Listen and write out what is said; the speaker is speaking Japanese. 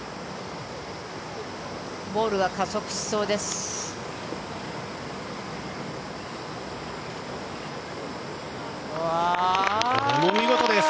ボールが加速しそうです。